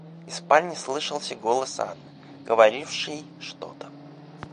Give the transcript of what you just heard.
Из спальни слышался голос Анны, говорившей что-то.